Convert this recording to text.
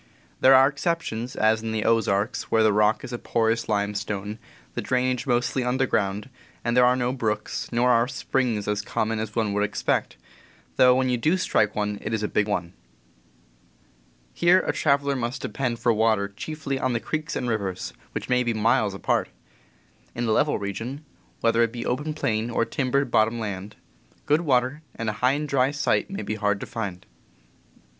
There are exceptions, as in the Ozarks, where the rock is a porous limestone, the drainage mostly underground, and there are no brooks, nor are springs as common as one would expect, though when you do strike one it is a big one. Here a traveler must depend for water chiefly on the creeks and rivers, which may be miles apart. In a level region, whether it be open plain or timbered bot tom land, good water and a high and dry site may be hard to find.